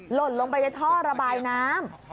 หล่นลงไปในท่อระบายน้ำ